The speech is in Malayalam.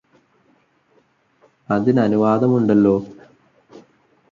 അതിനനുവാദമുണ്ടല്ലോ